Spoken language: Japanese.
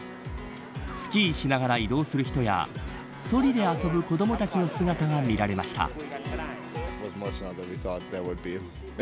スキーしながら移動する人やそりで遊ぶ子どもたちの姿が見られました。